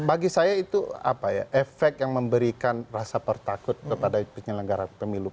bagi saya itu apa ya efek yang memberikan rasa pertakut kepada penyelenggara pemilu